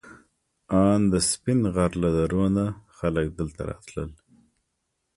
ان د سپین غر له درو نه خلک دلته راتلل.